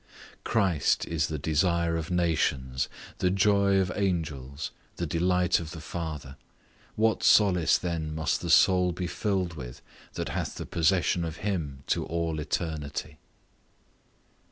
Christ is the desire of nations, the joy of angels, the delight of the Father; what solace then must the soul be filled with, that hath the possession of him to all eternity!